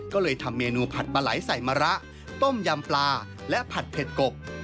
ก็เลยทำเมนูผัดปลาไหลใส่มะระต้มยำปลาและผัดเผ็ดกบ